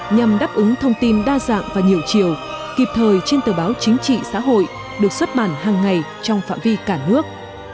nhằm đáp ứng thông tin đa dạng và nhiều chiều kịp thời trên tờ báo chính trị xã hội được xuất bản hàng ngày trong phạm vi cả nước